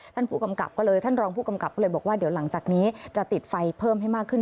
ท่านผู้กำกับก็เลยท่านรองผู้กำกับก็เลยบอกว่าเดี๋ยวหลังจากนี้จะติดไฟเพิ่มให้มากขึ้น